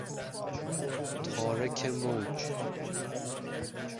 تارک موج